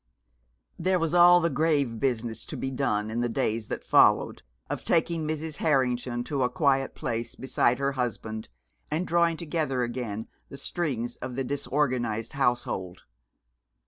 There was all the grave business to be done, in the days that followed, of taking Mrs. Harrington to a quiet place beside her husband, and drawing together again the strings of the disorganized household.